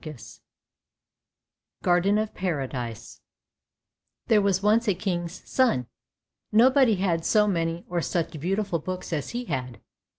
THE GARDEN OF PARADISE THERE was once a king's son; nobody had so many or such beautiful books as he had.